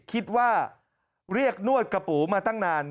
คิดว่าเรียกนวดกระปูมาตั้งนาน